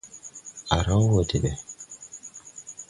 Á raw wɔ de ɓɛ.